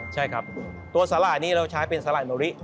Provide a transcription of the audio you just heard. ใช่ครับตัวสาหร่ายนี้เราใช้เป็นสาหร่ายโนริ